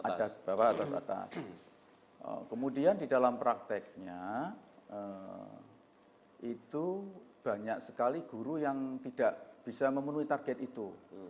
ada bawah ada batas kemudian di dalam prakteknya itu banyak sekali guru yang tidak bisa memenuhi target itu